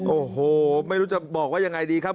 โอ้โหไม่รู้จะบอกว่ายังไงดีครับ